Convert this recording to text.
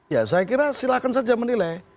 ya saya kira silahkan saja menilai